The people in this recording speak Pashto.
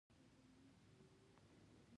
لمن یې اوږده ده او له مقالې وتلې ده.